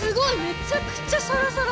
めちゃくちゃサラサラ。